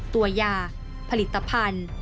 ตัวยาผลิตภัณฑ์